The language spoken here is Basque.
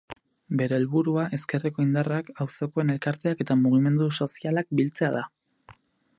Bere helburua ezkerreko indarrak, auzokoen elkarteak eta mugimendu sozialak biltzea da.